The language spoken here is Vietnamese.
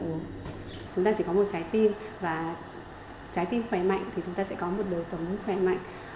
chúng ta chỉ có một trái tim và trái tim khỏe mạnh thì chúng ta sẽ có một đời sống khỏe mạnh